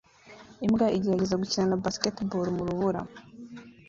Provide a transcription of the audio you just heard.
Imbwa igerageza gukina na basketball mu rubura